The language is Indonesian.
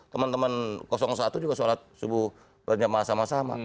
teman teman satu juga sholat subuh berjamaah sama sama